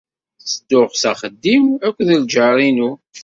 Ttedduɣ s axeddim akked ljaṛ-inu.